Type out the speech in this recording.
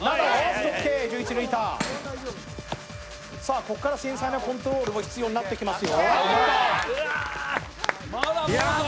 ここから繊細なコントロールが必要になってきますよ。